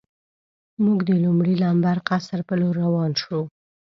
موږ د لومړي لمبر قصر په لور روان شو.